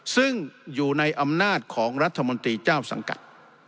ซึ่งอยู่ในอำนาจของรัฐมนตรีเจ้าสังกัด